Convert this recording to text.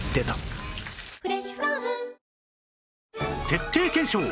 徹底検証！